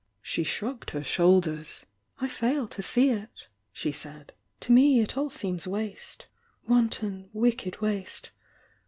She shrugged her shouluers. "I fail to see it!" she said. "To me it all seems ^aste— wanton, wicked waste.